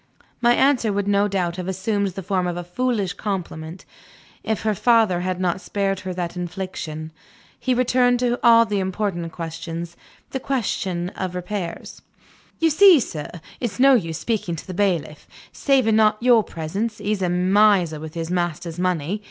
My answer would no doubt have assumed the form of a foolish compliment, if her father had not spared her that infliction. He returned to the all important question, the question of repairs. "You see, sir, it's no use speaking to the bailiff. Saving your presence, he's a miser with his master's money.